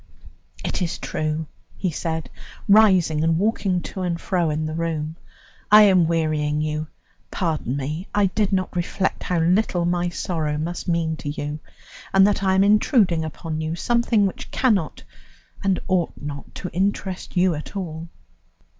"It is true," he said, rising and walking to and fro in the room, "I am wearying you. Pardon me, I did not reflect how little my sorrow must mean to you, and that I am intruding upon you something which can not and ought not to interest you at all."